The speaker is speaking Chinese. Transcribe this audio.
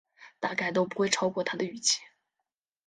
大概都不会超出他的预期